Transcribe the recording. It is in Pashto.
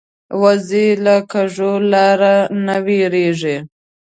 وزې له کږو لارو نه وېرېږي